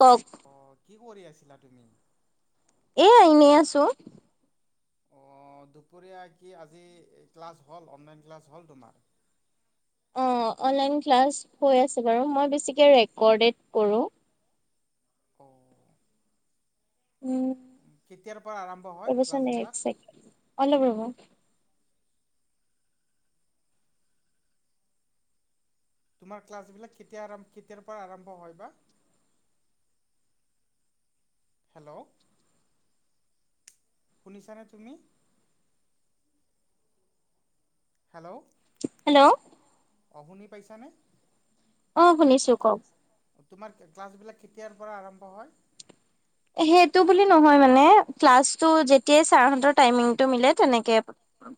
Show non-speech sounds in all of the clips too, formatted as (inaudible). কক। অ', কি কৰি আছিলা তুমি? এয়া এনেই আছো, অ দুপৰীয়া কি আজি ক্লাছ হল অনলাইন ক্লাছ হল তোমাৰ? অ অনলাইন ক্লাছ হৈ আছে বাৰু মই বেছিকে ৰেকৰ্ডে কৰো। অও উম, পৰা আৰম্ভ হয় ৰবচোন ক্লাছবিলাক? এক ছেকেণ্ড, অলপ ৰব। তোমাৰ ক্লাছ বিলাক কেতিয়া আৰাম, কেতিয়াৰ পৰা আৰম্ভ হয় বা? হেল্ল' শুনিছানে তুমি? Hello hello. অ শুনি পাইছানে? অ শুনিছো কওক। তোমাৰ কা-ক্লাছবিলাক কেতিয়াৰ পৰা আৰম্ভ হয়? সেইটো বুলি নহয় মানে ক্লাছটো যেতিয়ায়ে চাৰ হতৰ যেতিয়া টাইমীংটো মিলে তেনকে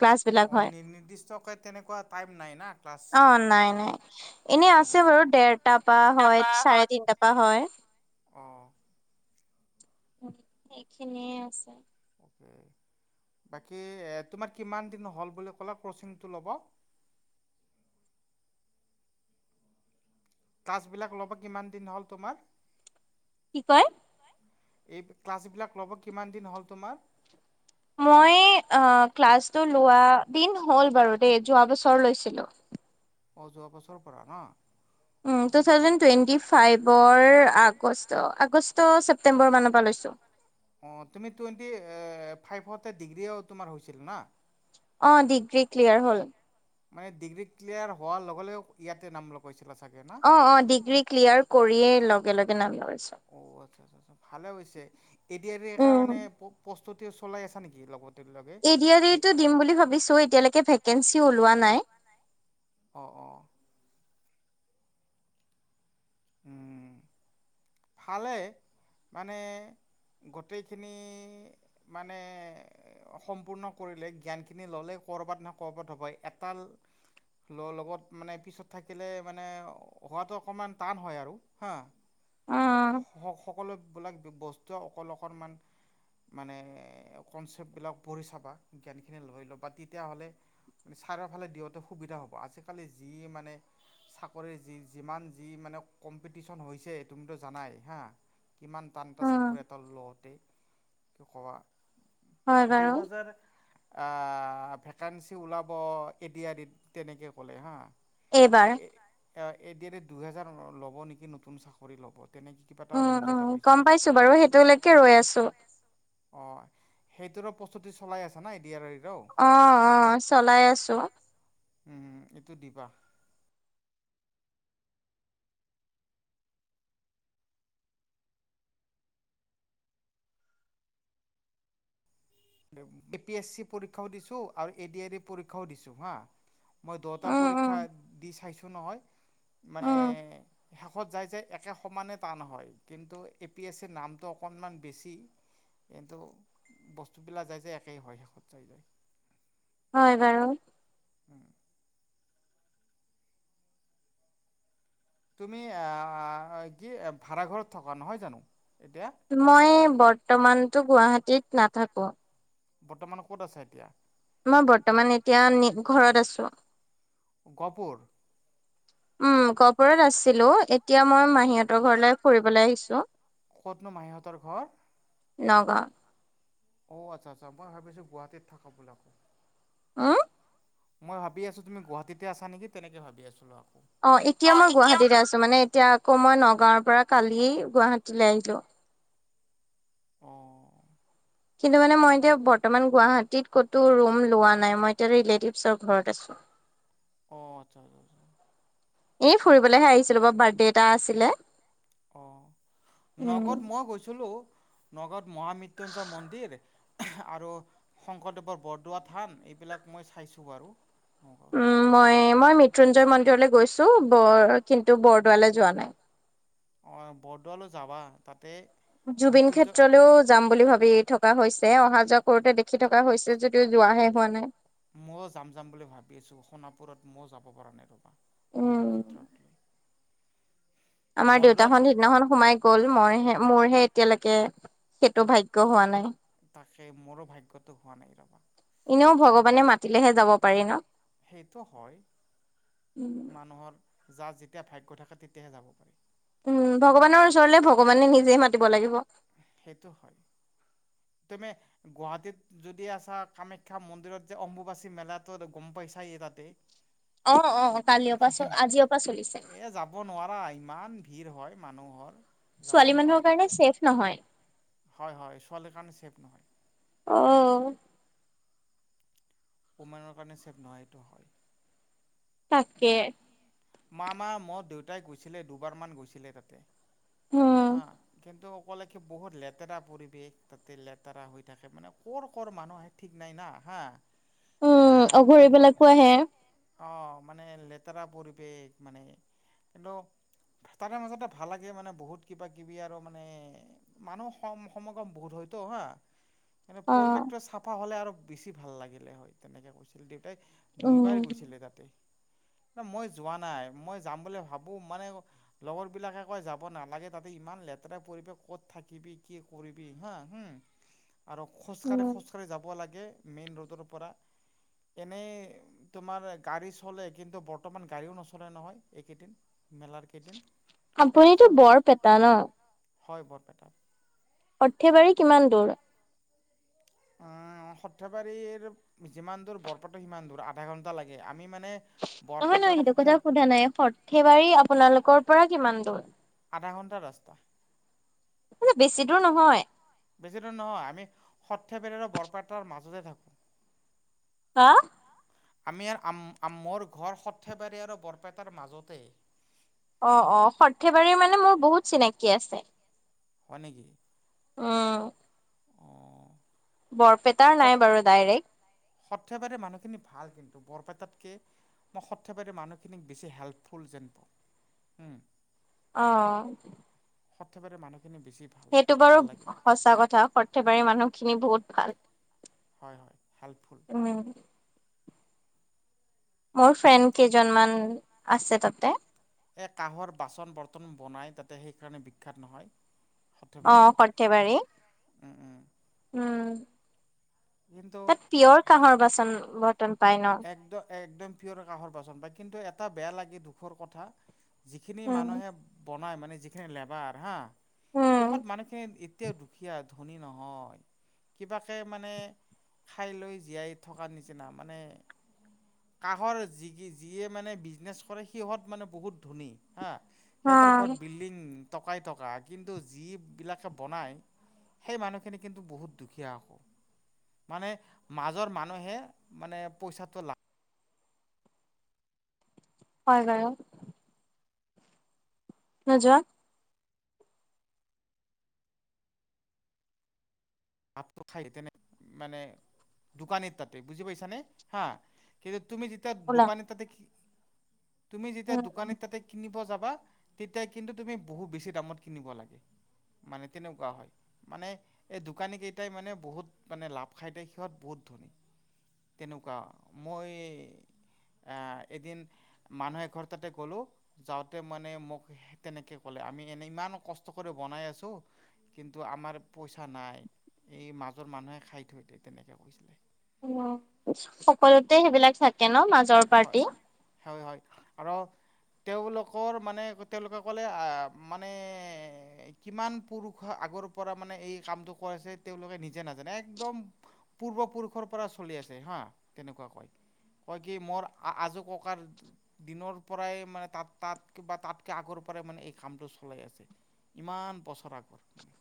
ক্লাছ বিলাক অ', হয়। নি নিৰ্দিষ্টকৈ তেনেকুৱা টাইম নাই না ক্লাছ অ নাই ক্লাছ নাই, এনেই আছে অ', বাৰু ডেৰটা পা হয় চাৰে তিনিটা পা হয়। অ', উ, সেইখিনিয়ে আছে। বাকী এ তোমাৰ কিমান দিন হ'ল বুলি ক'লা কচিংটো ল'ব? ক্লাচ বিলাক ল কি কয়? এই ক্লাছ বিলাক ল'ব কিমান দিন হ'ল তোমাৰ? মই আ ক্লাছটো লোৱা, দিন হ'ল বাৰু দেই যোৱা বছৰ লৈছিলো। অঁ, যোৱা বছৰ পৰা ন। উম, টু থাউজেণ্ড টুৱেণ্টি ফাইভৰ আগষ্ট আগষ্ট, ছেপ্টেম্বৰ মানৰ পৰা লৈছোঁ। অ তুমি টুৱেটি এ ফাইবতে ডিগ্ৰীয় তোমাৰ হৈছিল না। অ ডিগ্ৰী ক্লিয়াৰ হ'ল। মানে ডিগ্ৰী ক্লিয়াৰ হৱাৰ লগে লগে, ইয়াতে নাম লগাইছে অ অ ডিগ্ৰী ক্লিয়াৰ কৰিয়ে লগে লগে নাম লগাইছো। অ', আচ্ছা আচ্ছা আচ্ছা ভালে হৈছে, এ ডি আৰ ই উম, কাৰণে প-প্ৰস্তু তি চলাই আছা নিকি লগত এ ডি আৰ ই টো দিম বুলি ভাবিছো, এতিয়ালৈকে ভেকেঞ্চি ওলোৱা নাই। অঁ অঁ। উম। ভালে মানে, গটেইখিনি মানে সম্পূৰ্ণ কৰিলে জ্ঞানখিনি ললে ক'ৰবাত নহয় ক'ৰবাত হবয়ে। এডাল ল-লগত মানে পিছত থাকিলে মানে হোৱাটো অকণমান টান হয় আৰু হা উম, স-সকলোবিলাক বস্তুৱে অকল অকণমান মানে, কনচেপ্টবিলাক পঢ়ি চাবা জ্ঞানখিনি লৈ লবা তেতিয়াহলে তুমিতো কিমান টান এটা উম, চাকৰি এটা লওঁতে কৱা হয় বাৰু দুহাজাৰ আ ভেকেঞ্চি ওলাব এ ডি আৰ ইত, তেনেকে ক'লে হা। এইবাৰ আ এ ডি আৰ ইত দুহেজাৰ ল'ব নিকি নতুন চা কৰি ল'ব তেনেকৈ কিবা এটা উম নিউজ উম এটা গম পাইছিলোঁ পাইছো বাৰু সেইটোলৈকে ৰৈ আছোঁ অঁ সেইটোৰো প্ৰস্তুতি চলাই আছে না এ ডি আৰ ৰিৰ। অ অ চলাই আছোঁ। উম এইটো দিবা। এ পি এছ চি পৰীক্ষাও দিছোঁ আৰু এ ডি আৰ ই পৰীক্ষাও দিছোঁ হা। মই দটা উম, উম, পৰীক্ষা দি চাইছোঁ নহয় মানে উম, শেষত যায় যায় একে সমানে টান হয়। কিন্তু এ পি এছ চিৰ নামটো অকণমান বেছি কিন্তু বস্ত বস্তুবিলাক যাই যায় একেই হয় শেষত যাই যায় যায়। হয় বাৰু উম তুমি আহ কি ভাড়াঘৰত থকা নহয় জানো? এতিয়া? মই বৰ্তমান তো গুৱাহাটীত নাথাকো। বৰ্তমান ক'ত আছে এতিয়া? মই বৰ্তমান এতিয়া নি ঘৰত আছোঁ। গপোৰ। উম গপোৰত আছিলো এতিয়া মই মাহীহঁতৰ ঘৰলৈ ফুৰিবলৈ আহিছোঁ। কতনো মাহীহঁতৰ ঘৰ? নগাঁও। অ আচ্ছা আচ্ছা মই ভাবিছো গুৱাহাটীত থাকো বৌলাও (unintelligible) মই ভাবি আছোঁ তুমি গুৱাহাটীতে আছা নেকি তেনেকে ভাবি আছিলোঁ আও। অ এতিয়া মই গুৱাহাটীতে আছোঁ মানে, এতিয়া আকৌ মই নগাঁৱৰ পৰা কালি গুৱাহাটীলৈ আহিলোঁ। অ। কিন্তু মই এতিয়া বৰ্তমান গুৱাহাটীত ক'তো ৰুম লোৱা নাই মই ৰিলেটিভ ঘৰত আছোঁ। অ আচ্ছা আচ্ছা এ ফুৰিবলৈহে আহিছিলোঁ বাৰু বাৰ্থডে এটা আছিলে। অ উম নগত মই গৈছিলোঁ। নগাঁৱ মহা মৃত্যুঞ্জয় মন্দিৰ আৰু শংকৰদেৱৰ বৰদোৱা থান এইবিলাক মই চাইছো বাৰু। নগাঁৱৰ উম মই মই মৃত- মৃত্যুঞ্জয় মন্দিৰলৈ গৈছো বৰ কিন্তু বৰদোৱালৈ যোৱা নাই। অ বৰদোৱালে যাবা তাতে জুবিন মৃত্যুঞ্জয় ক্ষেত্ৰলৈও যাম বুলি ভাবি থকা হৈছ। যে অহা যোৱা কৰোতে দেখি থকা হৈছে যদিও যোৱাহে হোৱা নাই। ময়ো যাম যাম বুলি ভাবি আছো সোণাপুৰত মই যাব পৰা নাই ৰবা। জুবিন উম ক্ষেত্ৰ লে আমাৰ দেউতাহত সিদিনাখন সোমাই গ'ল মইে মোৰহে। এতিয়ালৈকে সেইটো ভাগ্য হোৱা নাই। তাকে মোৰো ভাগ্যটো হোৱা নাই ৰ'বা এনেও ভগৱানে মাতিলেহে যাব পাৰি ন। সেইটো হয়। মানুহৰ যাৰ যেতিয়া ভাগ্য থাকে তেতিয়া হে যাব পাৰি। উম', ভগৱানৰ ওচৰলে ভগৱানে নিজে মাতিব লাগিব। সেইটো হয়। তুমি গুৱাহাটীত যদি আছা কামাখ্যা মন্দিৰত যে, অম্বুবাচী মেলা গম পাইছাই তাতে। অ'অ, কালিৰ পৰা চ আজিৰ পৰা চলিছে। এ যাব নোৱাৰা ইমান ভিৰ হয় মানুহৰ। যাব ছোৱালী মানুহৰ নোৱাৰা কাৰণে তাতে ছেফ নহয় হয়, হয় ছোৱালী চেফ নহয়। অ অমেনৰ কাৰণে চেভ নহয়, এইটো হয়। তাকে। মামা ম দেউতাই গৈছিলে, দুবাৰমান গৈছিলে তাতে। উম অ', কিন্তু ক'লেকে বহুত লেতেৰা পৰিৱেশ। তাতে লেতেৰা হৈ থাকে মানে কৰ-কৰ মানুহ আহে ঠিক নাই না হা উম', বহুত অঘৰিবিলাকো আহে। অ'। মানে লেতেৰা পৰিৱেশ। মানে, কিন্তু তাৰে মাজতে ভাল লাগে মানে বহুত কিবা-কিবি আৰু মানে মানুহ সম-সমাগম বহুত হয়তো হা মানে অ'। পৰিৱেশটো চাফা হলে আৰু বেছি ভাল লাগিলে হয়, তেনেকে কৈছিল দে তাই দুইবাৰ উম গৈছিলে তাতে। মই যোৱা নাই। মই যাম বুলি ভাবো মানে লগৰ বিলাকে কয়, যাব নালাগে তাতে ইমান লেতেৰা পৰিবেশ ক'ত থাকিবি কি কৰিবি হা, হম'। আৰু খোজ কাঢ়ি উম খোজ কাঢ়ি যাব লাগে। লাগে মেন ৰদৰ পৰা। চলে। কিন্তু বৰ্তমান গাড়ীও নচলে নহয়, এইকেইদিন মেলাৰ কেইদিন। এ খ আপুনিতটো বৰপেটা ন? হয় বৰপেটা। সৰ্থেবাৰী কিমান দূৰ? অ' সৰ্থেবাৰী যিমান দূৰ বৰপেটা সিমান দূৰ আধা ঘন্টা লাগে। আমি, মানে নহয়, নহয় বৰপেটাৰ সেইটো সৰ্থে কথা সোধা নাই। সৰ্থেবাৰী আপোনালোকৰ পৰা কিমান দূৰ? আধা ঘণ্টা ৰাস্তা। মানে বেছি দূৰ নহয়। বেছি দূৰ নহয়। আমি সৰ্থেবাৰী আৰু বৰপেটাৰ মাজতে থাকো। হা'। আমি ৰ মোৰ ঘৰ সৰ্থেবাৰী আৰু বৰপেটাৰ মাজতেই। অ'অ, সৰ্থেবাৰীৰ মানে মোৰ বহুত চিনাকি আছে। হয় নেকি? আহ। নাই বাৰু ডাইৰেক্ট, সৰ্থেবাৰী মানুহখিনি ভাল কিন্তু বৰপেটাত মই সৰ্থেবাৰীৰ মানুহখিনিক বেছি হেল্পফুল যেন পাওঁ। অহ। সৰ্থেবাৰী মানু সেইটো বাৰু সচা কথা সৰ্থেবাৰী মানুহখিনি বহুত ভাল। হয়-হয় হেল্পফুল। উম। মোৰ ফ্ৰেণ্ড কেইজনমান আছে তাতে। ত সেইকাৰণে বিখ্যাত নহয়? অ সৰ্থেবাৰী সৰ্থেবাৰী। উম উম উম। কিন্তু তাত পিয়ৰ কাঁহৰ বাচন বৰ্তন পায় ন? একদম-একদম পিয়ৰ কাঁহৰ বাচন পায়, কিন্তু বেয়া লাগে দুখৰ কথা যিখিনি উম। মানুহে বনাই মানে যিখিনি লেবাৰ হা। উম, সিহঁত মানুহখিনি এতিয়াও দুখীয়া। ধনী নহয় কিবাকে মানে খাই লৈ জীয়াই থকাৰ নিচিনা মানে কাহৰ যি যিয়ে মানে বিজনেছ কৰে সিহঁত মানে বহুত ধনী। হা হা, সেইতৰ ঘৰত বিল্ডং টকাই টকা কিন্তু যিবিলাকে বনায় সেই মানুহখিনি কিন্তু বহুত দুখীয়া আক। মানে মাজৰ মানুহে মানে পইচাটো লাগ হয় গৈ অহ। নোযোৱা ভাত তো খায় তেনে মানে দোকানত তাতে বুজি পাইছানে? হা কিন্তু তুমি যেতিয়া ওলা। দোকান এটাতে কি তুমি যেতিয়া উম, দোকানিৰ তাতে কিনিব যাব তেতিয়া কিন্তু তুমি বহুত বেছি দামত কিনিব লাগে, মানে তেনেকুৱা হয়। মানে এই দোকানী কেইটাই মানে বহুত মানে লাভ খাই সিহঁত বহুত ধনী, তেনেকুৱা। মই এদিন মানুহ এঘৰ তাতে গ'লোঁ যাওঁতে মানে মোক তেনেকৈ ক'লে আমি এনেই ইমান কষ্ট কৰি বনাই আছোঁ কিন্তু আমাৰ পইচা নাই। এই মাজৰ মানুহে খাই থৈ দিয়ে তেনেকে কৈছিলে। উ সকলোতে সেইবিলাক থাকে। কে ন মাজৰ পাৰ্টি? হয়-হয় আৰু তেওঁলোকৰ মানে তেওঁলোকে ক'লে মানে কিমান পুৰুষৰ আগৰ পৰা মানে এই কামটো কৰিছে তেওঁলোকে নিজে নাজানে একদম পূৰ্বপুৰুষৰ পৰা চলি আছে হা, তেনেকুৱা কৈ। কি মোৰ আজো ককাৰ দিনৰ পৰাই মানে তাত-তাতকৈ বা তাতকৈ আগৰ পৰাই মানে এই কামটো চলাই আছে, ইমান বছৰ আগৰ মানে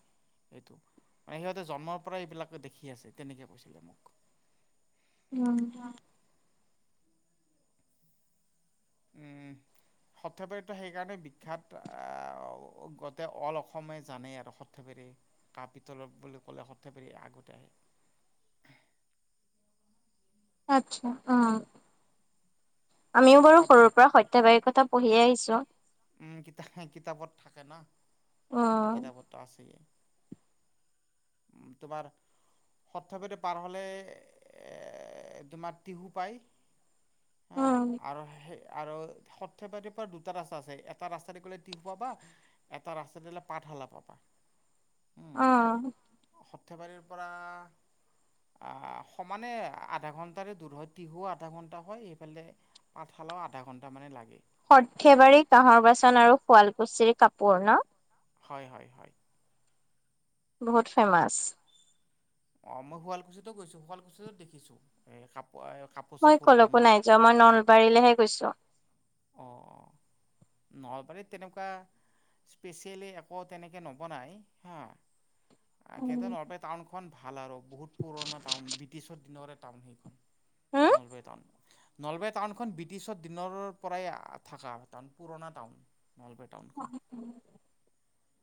এইটো মানে সিহঁতে জন্মৰ পৰাই এইবিলাক দেখি আছে তেনেকৈ কৈছিলে মোক। উম। উম সৰ্থেবাৰীতো সেইকাৰণে বিখ্যাত আহ গোটেই অল অসমে জানেই আৰু সৰ্থেবৰেী কাপিতল বুলি কলে সৰ্থেবৰি আগতে আহে। আচ্ছা অহ। আমিও বাৰু সৰ্থে সৰুৰ পৰা সত্যবাহিক কথা পঢ়িয়ে আহিছো। উম কিতাপত-কিতাপত থাকে ন? এইটো উম, কিতাপ পত্ৰ আছে। উ তোমাৰ সৰ্থেবাৰী পাৰ হলে, এ তোমাৰ টিহু পাই। হ উম, আৰু সেই, আৰু সৰ্থেবাৰীৰ পৰা দুটাত আছে। এটা ৰাস্তাতে গলে টিহু পাবা, এটা ৰাস্তা গলে পাঠশালা পাবা। উম অঁ। সৰ্থেবাৰীৰ পৰা আহ সমানে আধা ঘন্টাৰে দূৰ হয়, টিহু আধা ঘন্টা হয়, সেইফালে পাঠশালাও আধা ঘন্টা মানে লাগে। সৰ্থেবাৰী কাঁহৰ বাচন আৰু শুৱালকুছি। কাপোৰ অ ন? হয় হয় হয়। বহুত ফেমাছ। অঁ মই শুৱালকুছিতো গৈছো, শুৱালকুছিত দেখিছো। কাপোৰ মই চাপোৰ কলকো বনোৱা নাই যোৱা, মই নলবাৰীলৈহে গৈছো। অঁ নলবাৰীত তেনেকুৱা স্পেচিয়েলি একো তেনেকৈ নবনাই হা। কিন্তু উম, নলবে টাউন খন ভাল আৰু বহুত পুৰণা টাউন ব্ৰিটিছৰ দিনৰে - লে টাউন। নলৱে টাউনখন ব্ৰিটিছত দিনৰ পৰাই থাকা, টাউন পুৰণা টাউন। নলবে টাউনখন। (unintelligible)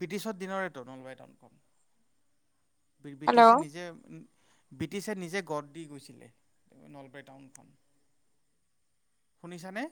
ব্ৰিটিছৰ দিনৰেটো নলবাৰী তাউনখন। ব্ৰিটিছে হেল্ল'। নিজে, ব্ৰিটিছে নিজে গঢ় দি গৈছিলে, নলবাৰী টাউনখন। শুনিছানে?